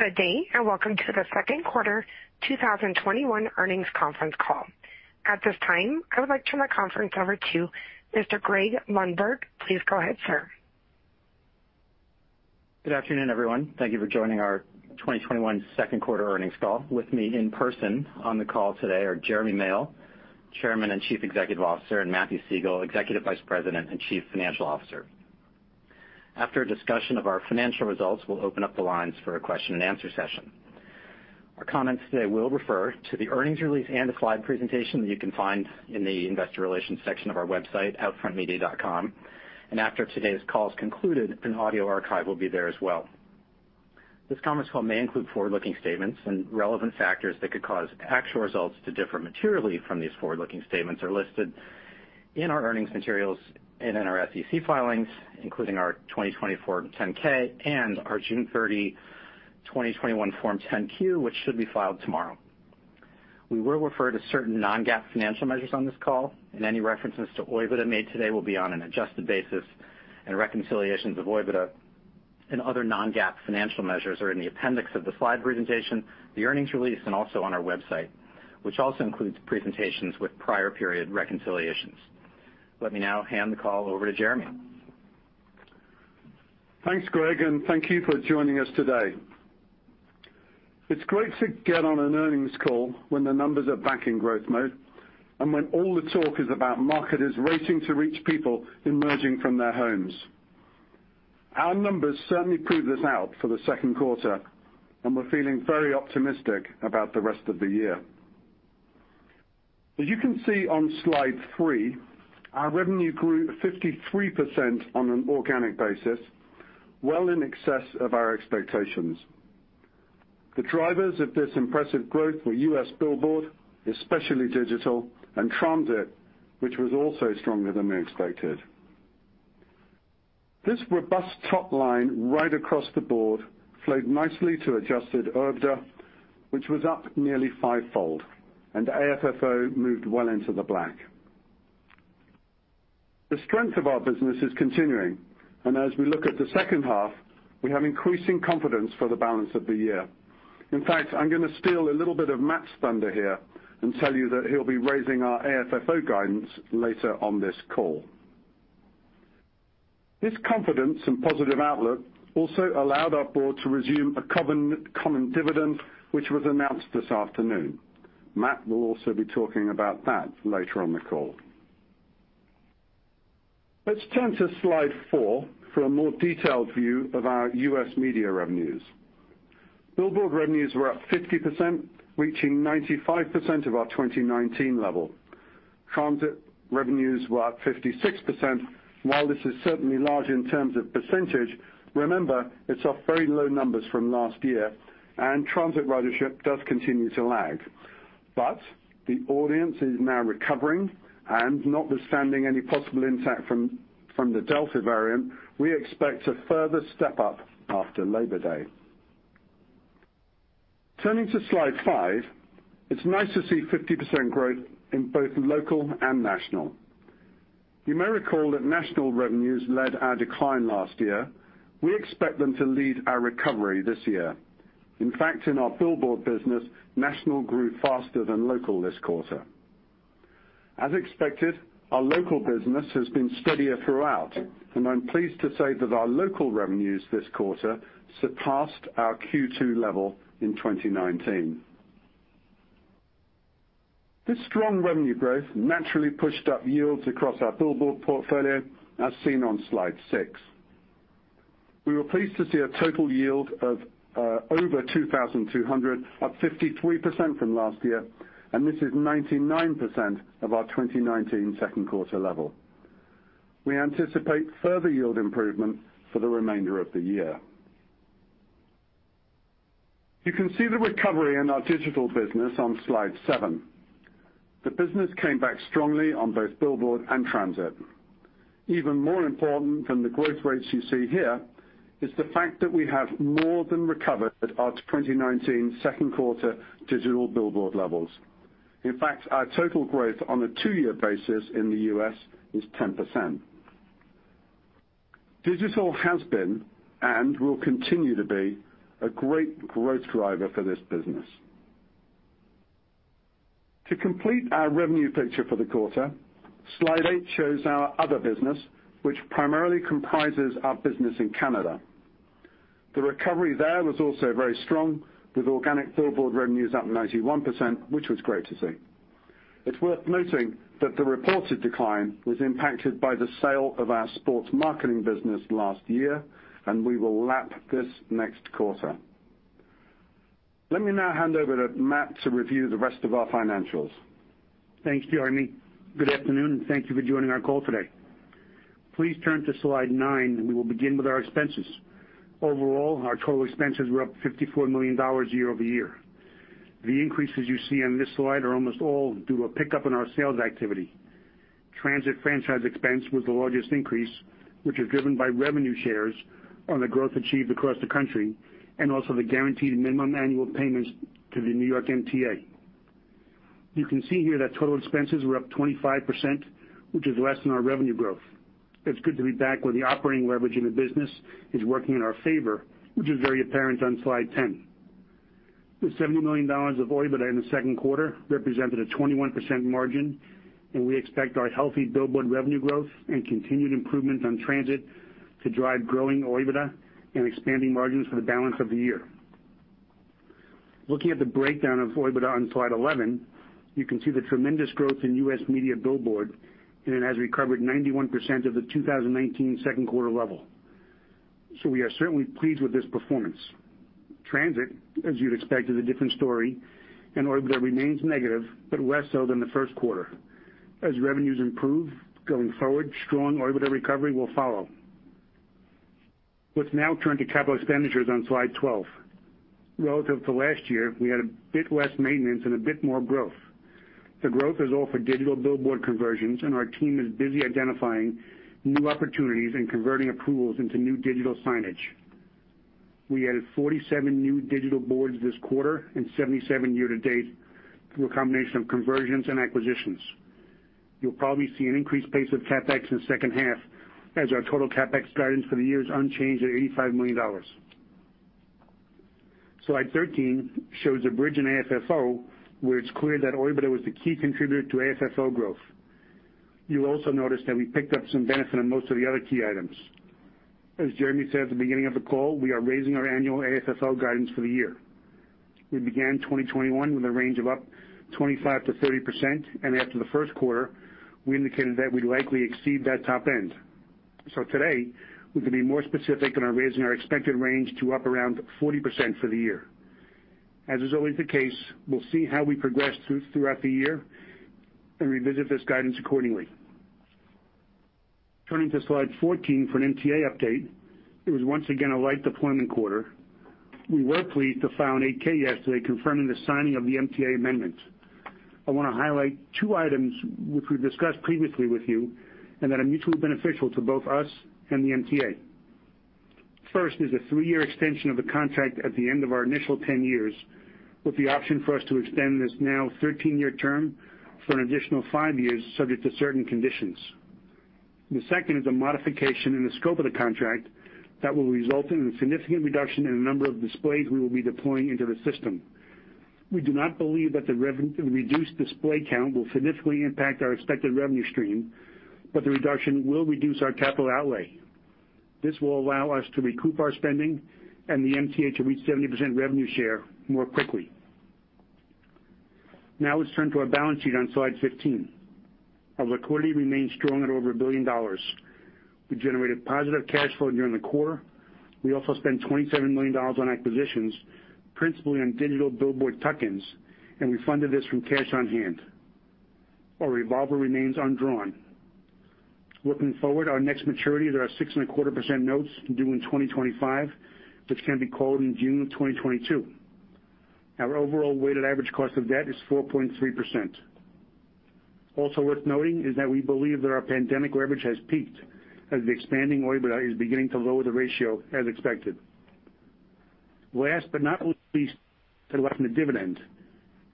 Good day, welcome to the second quarter 2021 earnings conference call. At this time, I would like to turn the conference over to Mr. Greg Lundberg. Please go ahead, sir. Good afternoon, everyone. Thank you for joining our 2021 second quarter earnings call. With me in person on the call today are Jeremy Male, Chairman and Chief Executive Officer, and Matthew Siegel, Executive Vice President and Chief Financial Officer. After a discussion of our financial results, we'll open up the lines for a question and answer session. Our comments today will refer to the earnings release and the slide presentation that you can find in the investor relations section of our website, outfrontmedia.com. After today's call is concluded, an audio archive will be there as well. This conference call may include forward-looking statements and relevant factors that could cause actual results to differ materially from these forward-looking statements are listed in our earnings materials and in our SEC filings, including our 2020 Form 10-K and our June 30, 2021 Form 10-Q, which should be filed tomorrow. We will refer to certain non-GAAP financial measures on this call, and any references to OIBDA made today will be on an adjusted basis, and reconciliations of OIBDA and other non-GAAP financial measures are in the appendix of the slide presentation, the earnings release, and also on our website, which also includes presentations with prior period reconciliations. Let me now hand the call over to Jeremy. Thanks, Greg, and thank you for joining us today. It's great to get on an earnings call when the numbers are back in growth mode and when all the talk is about marketers racing to reach people emerging from their homes. Our numbers certainly prove this out for the second quarter, and we're feeling very optimistic about the rest of the year. As you can see on slide three, our revenue grew 53% on an organic basis, well in excess of our expectations. The drivers of this impressive growth were U.S. billboard, especially digital, and transit, which was also stronger than we expected. This robust top line right across the board flowed nicely to adjusted OIBDA, which was up nearly fivefold, and AFFO moved well into the black. The strength of our business is continuing, and as we look at the second half, we have increasing confidence for the balance of the year. In fact, I'm gonna steal a little bit of Matt's thunder here and tell you that he'll be raising our AFFO guidance later on this call. This confidence and positive outlook also allowed our board to resume a common dividend, which was announced this afternoon. Matt will also be talking about that later on the call. Let's turn to slide four for a more detailed view of our U.S. media revenues. Billboard revenues were up 50%, reaching 95% of our 2019 level. Transit revenues were up 56%. While this is certainly large in terms of percentage, remember, it's off very low numbers from last year, and transit ridership does continue to lag. The audience is now recovering, and notwithstanding any possible impact from the Delta variant, we expect a further step-up after Labor Day. Turning to slide five, it's nice to see 50% growth in both local and national. You may recall that national revenues led our decline last year. We expect them to lead our recovery this year. In fact, in our billboard business, national grew faster than local this quarter. As expected, our local business has been steadier throughout, and I'm pleased to say that our local revenues this quarter surpassed our Q2 level in 2019. This strong revenue growth naturally pushed up yields across our billboard portfolio, as seen on slide six. We were pleased to see a total yield of over 2,200, up 53% from last year, and this is 99% of our 2019 second quarter level. We anticipate further yield improvement for the remainder of the year. You can see the recovery in our digital business on slide seven. The business came back strongly on both billboard and transit. Even more important than the growth rates you see here is the fact that we have more than recovered our 2019 second quarter digital billboard levels. In fact, our total growth on a two-year basis in the U.S. is 10%. Digital has been and will continue to be a great growth driver for this business. To complete our revenue picture for the quarter, slide eight shows our other business, which primarily comprises our business in Canada. The recovery there was also very strong, with organic billboard revenues up 91%, which was great to see. It's worth noting that the reported decline was impacted by the sale of our sports marketing business last year, and we will lap this next quarter. Let me now hand over to Matt to review the rest of our financials. Thanks, Jeremy. Good afternoon, and thank you for joining our call today. Please turn to slide nine, and we will begin with our expenses. Overall, our total expenses were up $54 million year-over-year. The increases you see on this slide are almost all due to a pickup in our sales activity. Transit franchise expense was the largest increase, which was driven by revenue shares on the growth achieved across the country, and also the guaranteed minimum annual payments to the New York MTA. You can see here that total expenses were up 25%, which is less than our revenue growth. It's good to be back where the operating leverage in the business is working in our favor, which is very apparent on slide 10. The $70 million of OIBDA in the second quarter represented a 21% margin. We expect our healthy billboard revenue growth and continued improvement on transit to drive growing OIBDA and expanding margins for the balance of the year. Looking at the breakdown of OIBDA on slide 11, you can see the tremendous growth in U.S. media billboard. It has recovered 91% of the 2019 second quarter level. We are certainly pleased with this performance. Transit, as you'd expect, is a different story. OIBDA remains negative, but less so than the first quarter. As revenues improve going forward, strong OIBDA recovery will follow. Let's now turn to capital expenditures on slide 12. Relative to last year, we had a bit less maintenance and a bit more growth. The growth is all for digital billboard conversions, and our team is busy identifying new opportunities and converting approvals into new digital signage. We added 47 new digital boards this quarter and 77 year to date, through a combination of conversions and acquisitions. You'll probably see an increased pace of CapEx in the second half as our total CapEx guidance for the year is unchanged at $85 million. Slide 13 shows a bridge in AFFO, where it's clear that OIBDA was the key contributor to AFFO growth. You'll also notice that we picked up some benefit on most of the other key items. As Jeremy said at the beginning of the call, we are raising our annual AFFO guidance for the year. We began 2021 with a range of up 25%-30%, and after the first quarter, we indicated that we'd likely exceed that top end. Today, we can be more specific and are raising our expected range to up around 40% for the year. As is always the case, we'll see how we progress throughout the year and revisit this guidance accordingly. Turning to slide 14 for an MTA update, it was once again a light deployment quarter. We were pleased to file an 8-K yesterday confirming the signing of the MTA amendment. I want to highlight two items which we've discussed previously with you and that are mutually beneficial to both us and the MTA. First is a three-year extension of the contract at the end of our initial 10 years, with the option for us to extend this now 13-year term for an additional five years, subject to certain conditions. The second is a modification in the scope of the contract that will result in a significant reduction in the number of displays we will be deploying into the system. We do not believe that the reduced display count will significantly impact our expected revenue stream, but the reduction will reduce our capital outlay. This will allow us to recoup our spending and the MTA to reach 70% revenue share more quickly. Let's turn to our balance sheet on slide 15. Our liquidity remains strong at over $1 billion. We generated positive cash flow during the quarter. We also spent $27 million on acquisitions, principally on digital billboard tuck-ins, and we funded this from cash on hand. Our revolver remains undrawn. Looking forward, our next maturity are our 6.25% notes due in 2025, which can be called in June of 2022. Our overall weighted average cost of debt is 4.3%. Also worth noting is that we believe that our pandemic leverage has peaked as the expanding OIBDA is beginning to lower the ratio as expected. Last but not least, the dividend.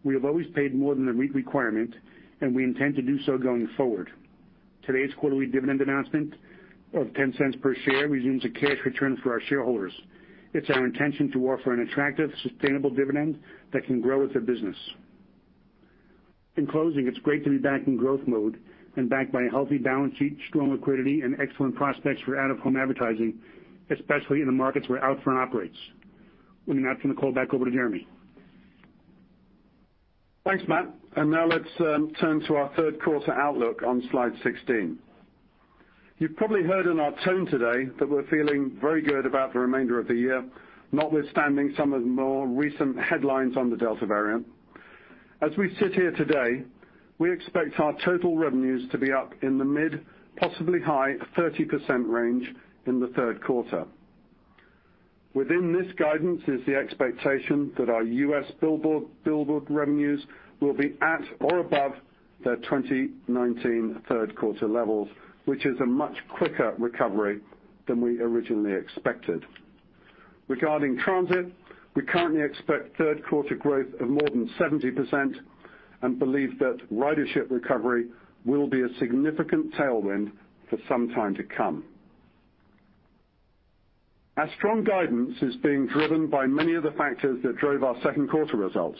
We have always paid more than the requirement, and we intend to do so going forward. Today's quarterly dividend announcement of $0.10 per share resumes a cash return for our shareholders. It's our intention to offer an attractive, sustainable dividend that can grow with the business. In closing, it's great to be back in growth mode and backed by a healthy balance sheet, strong liquidity, and excellent prospects for out-of-home advertising, especially in the markets where Outfront operates. With that, I'm going to turn the call back over to Jeremy. Thanks, Matt. Now let's turn to our third quarter outlook on slide 16. You've probably heard in our tone today that we're feeling very good about the remainder of the year, notwithstanding some of the more recent headlines on the Delta variant. As we sit here today, we expect our total revenues to be up in the mid, possibly high, 30% range in the third quarter. Within this guidance is the expectation that our U.S. billboard revenues will be at or above their 2019 third quarter levels, which is a much quicker recovery than we originally expected. Regarding transit, we currently expect third quarter growth of more than 70% and believe that ridership recovery will be a significant tailwind for some time to come. Our strong guidance is being driven by many of the factors that drove our second quarter results.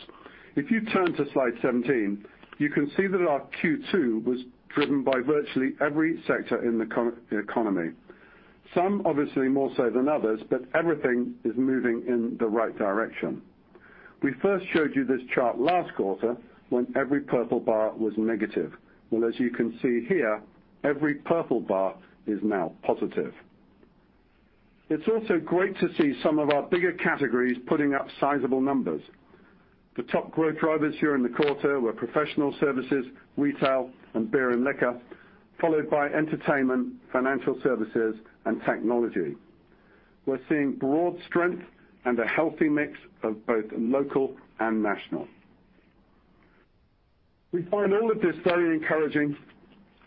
If you turn to slide 17, you can see that our Q2 was driven by virtually every sector in the economy. Some obviously more so than others, but everything is moving in the right direction. We first showed you this chart last quarter when every purple bar was negative. Well, as you can see here, every purple bar is now positive. It's also great to see some of our bigger categories putting up sizable numbers. The top growth drivers here in the quarter were professional services, retail, and beer and liquor, followed by entertainment, financial services, and technology. We're seeing broad strength and a healthy mix of both local and national. We find all of this very encouraging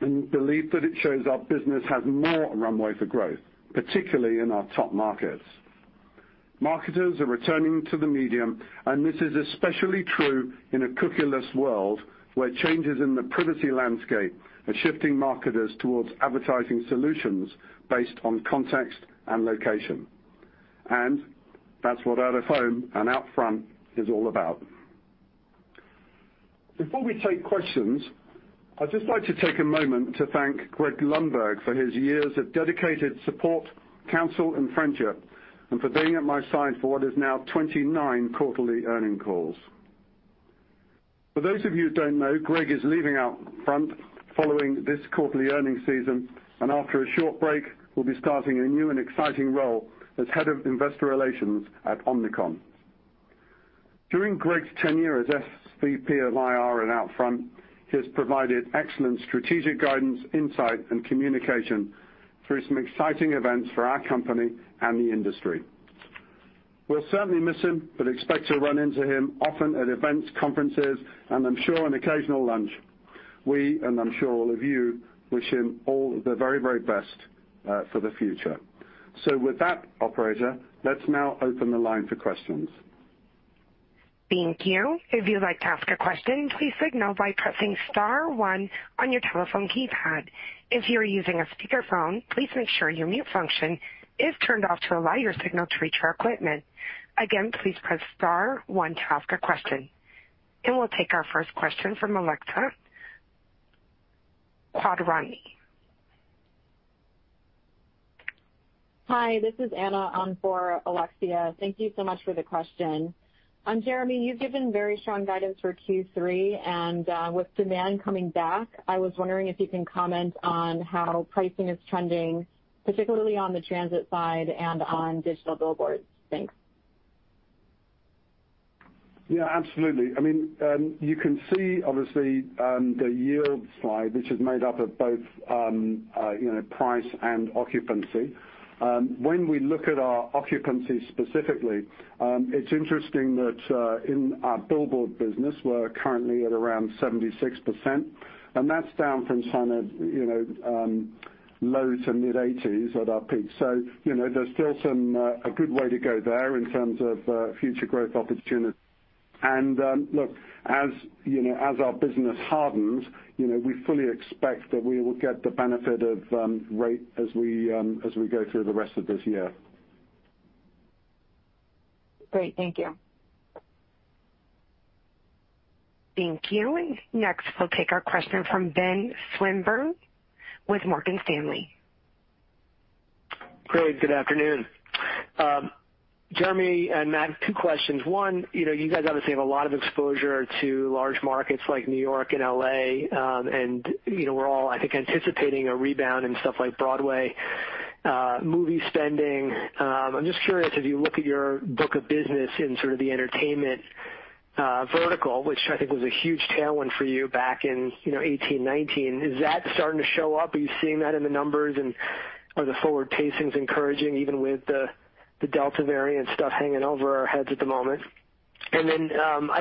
and believe that it shows our business has more runway for growth, particularly in our top markets. Marketers are returning to the medium. This is especially true in a cookieless world where changes in the privacy landscape are shifting marketers towards advertising solutions based on context and location. That's what Out of Home and Outfront is all about. Before we take questions, I'd just like to take a moment to thank Greg Lundberg for his years of dedicated support, counsel, and friendship, and for being at my side for what is now 29 quarterly earnings calls. For those of you who don't know, Greg is leaving Outfront following this quarterly earnings season, and after a short break, will be starting a new and exciting role as Head of Investor Relations at Omnicom. During Greg's tenure as SVP of IR at Outfront, he has provided excellent strategic guidance, insight, and communication through some exciting events for our company and the industry. We'll certainly miss him, but expect to run into him often at events, conferences, and I'm sure an occasional lunch. We, and I'm sure all of you, wish him all the very best, for the future. With that, operator, let's now open the line for questions. Thank you. If you'd like to ask a question, please signal by pressing star one on your telephone keypad. If you are using a speakerphone, please make sure your mute function is turned off to allow your signal to reach our equipment. Again, please press star one to ask a question. We'll take our first question from Alexia Quadrani. Hi, this is Anna on for Alexia. Thank you so much for the question. Jeremy, you've given very strong guidance for Q3 and, with demand coming back, I was wondering if you can comment on how pricing is trending, particularly on the transit side and on digital billboards. Thanks. Yeah, absolutely. You can see, obviously, the yield slide, which is made up of both price and occupancy. When we look at our occupancy specifically, it's interesting that, in our billboard business, we're currently at around 76%, and that's down from some low to mid 80s% at our peak. So, there's still a good way to go there in terms of future growth opportunity. Look, as our business hardens, we fully expect that we will get the benefit of rate as we go through the rest of this year. Great. Thank you. Thank you. Next, we'll take our question from Ben Swinburne with Morgan Stanley. Greg, good afternoon. Jeremy and Matt, two questions. One, you guys obviously have a lot of exposure to large markets like New York and L.A. We're all, I think, anticipating a rebound in stuff like Broadway, movie spending. I'm just curious if you look at your book of business in sort of the entertainment vertical, which I think was a huge tailwind for you back in 2018, 2019. Is that starting to show up? Are you seeing that in the numbers, and are the forward pacings encouraging even with the Delta variant stuff hanging over our heads at the moment? I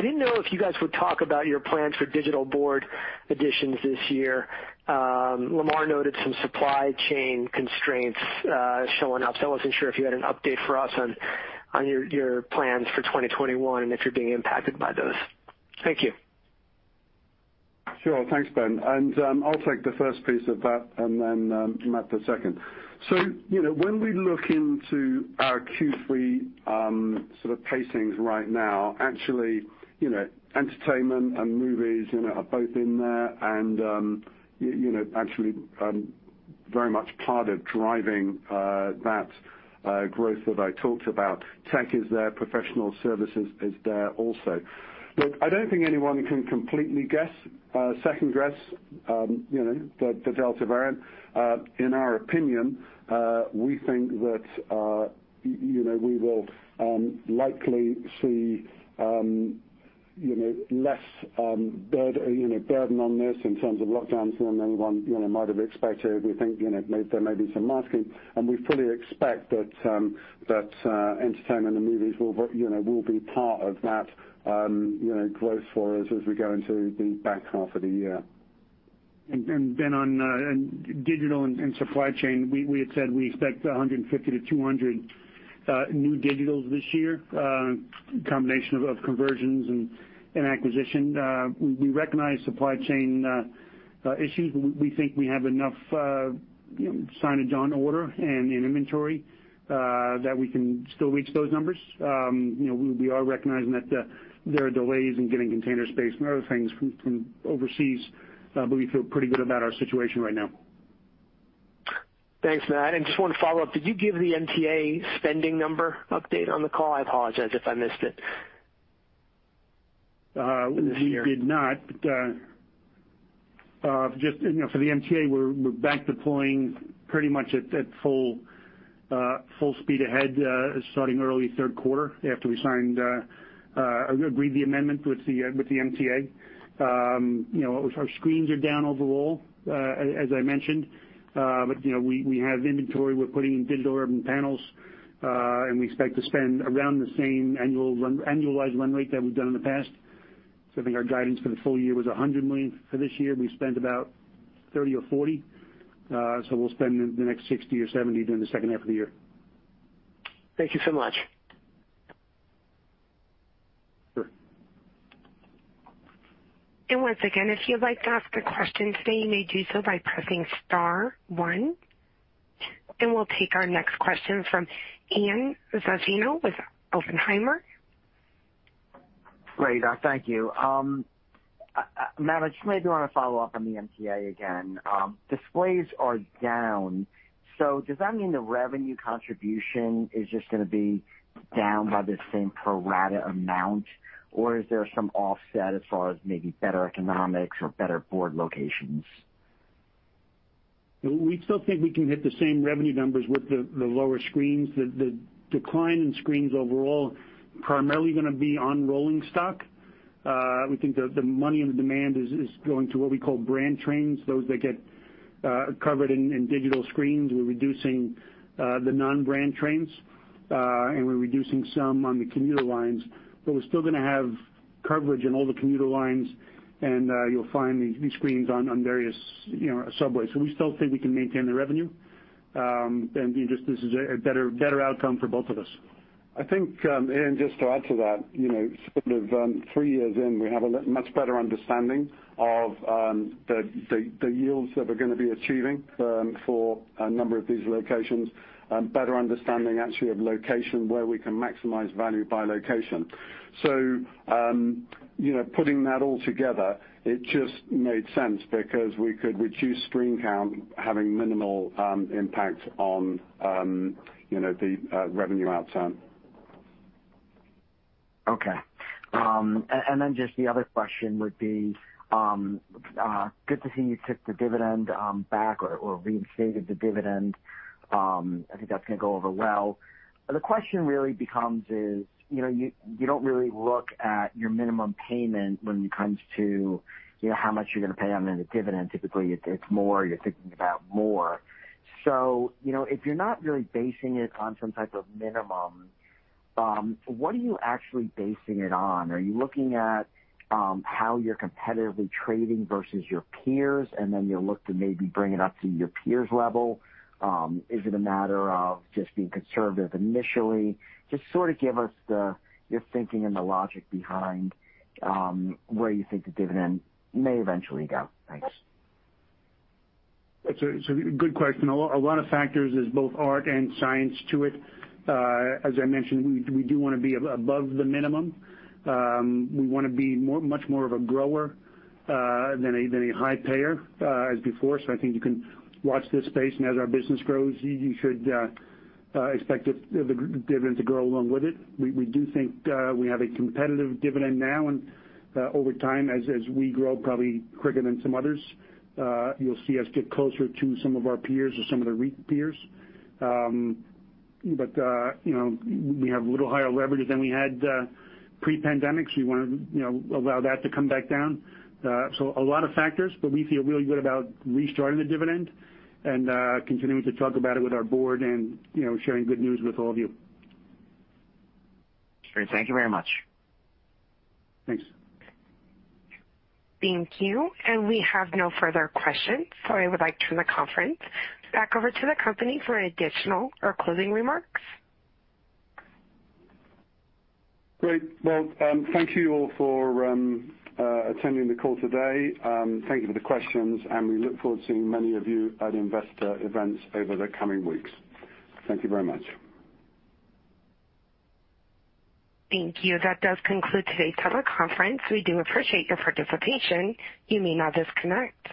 didn't know if you guys would talk about your plans for digital board additions this year. Lamar noted some supply chain constraints showing up. I wasn't sure if you had an update for us on your plans for 2021, and if you're being impacted by those. Thank you. Sure. Thanks, Ben. I'll take the first piece of that and then Matt, the second. When we look into our Q3 sort of pacings right now, actually, entertainment and movies are both in there and actually very much part of driving that growth that I talked about. Tech is there, professional services is there also. Look, I don't think anyone can completely second guess the Delta variant. In our opinion, we think that we will likely see less burden on this in terms of lockdowns than anyone might have expected. We think there may be some masking, and we fully expect that entertainment and movies will be part of that growth for us as we go into the back half of the year. Ben, on digital and supply chain, we had said we expect 150 to 200 new digitals this year. A combination of conversions and acquisition. We recognize supply chain issues. We think we have enough signage on order and in inventory, that we can still reach those numbers. We are recognizing that there are delays in getting container space and other things from overseas, but we feel pretty good about our situation right now. Thanks, Matt. Just one follow-up. Did you give the MTA spending number update on the call? I apologize if I missed it this year. We did not. For the MTA, we're back deploying pretty much at full speed ahead, starting early 3rd quarter after we agreed the amendment with the MTA. Our screens are down overall, as I mentioned. We have inventory we're putting in digital urban panels, and we expect to spend around the same annualized run rate that we've done in the past. I think our guidance for the full year was $100 million. For this year, we spent about $30 or $40. We'll spend the next $60 or $70 during the second half of the year. Thank you so much. Sure. Once again, if you'd like to ask a question today, you may do so by pressing star one. We'll take our next question from Ian Zaffino with Oppenheimer. Great. Thank you. Matt, I just maybe want to follow up on the MTA again. Displays are down. Does that mean the revenue contribution is just going to be down by the same pro rata amount, or is there some offset as far as maybe better economics or better board locations? We still think we can hit the same revenue numbers with the lower screens. The decline in screens overall primarily going to be on rolling stock. We think the money and the demand is going to what we call brand trains, those that get covered in digital screens. We're reducing the non-brand trains, and we're reducing some on the commuter lines. We're still going to have coverage on all the commuter lines, and you'll find these screens on various subways. We still think we can maintain the revenue, and this is a better outcome for both of us. I think, Ian, just to add to that, sort of three years in, we have a much better understanding of the yields that we're going to be achieving for a number of these locations, better understanding actually of location, where we can maximize value by location. Putting that all together, it just made sense because we could reduce screen count having minimal impact on the revenue outcome. Okay. Just the other question would be, good to see you took the dividend back or reinstated the dividend. I think that's going to go over well. The question really becomes is, you don't really look at your minimum payment when it comes to how much you're going to pay on the dividend. Typically, it's more, you're thinking about more. If you're not really basing it on some type of minimum, what are you actually basing it on? Are you looking at how you're competitively trading versus your peers, and then you'll look to maybe bring it up to your peers' level? Is it a matter of just being conservative initially? Just sort of give us your thinking and the logic behind where you think the dividend may eventually go. Thanks. It's a good question. A lot of factors is both art and science to it. As I mentioned, we do want to be above the minimum. We want to be much more of a grower than a high payer as before. I think you can watch this space, and as our business grows, you should expect the dividend to grow along with it. We do think we have a competitive dividend now, and over time, as we grow probably quicker than some others, you'll see us get closer to some of our peers or some of the REIT peers. We have a little higher leverage than we had pre-pandemic, so we want to allow that to come back down. A lot of factors, but we feel really good about restarting the dividend and continuing to talk about it with our board and sharing good news with all of you. Great. Thank you very much. Thanks. Thank you. We have no further questions, so I would like to turn the conference back over to the company for additional or closing remarks. Great. Well, thank you all for attending the call today. Thank you for the questions, and we look forward to seeing many of you at investor events over the coming weeks. Thank you very much. Thank you. That does conclude today's teleconference. We do appreciate your participation. You may now disconnect.